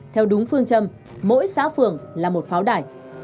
theo đúng phương châm mỗi xã phường là một pháo đài